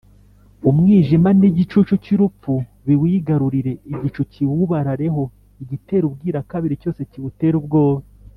umwijima n’igicucu cy’urupfu biwigarurire, igicu kiwubarareho, igitera ubwirakabiri cyose kiwutere ubwoba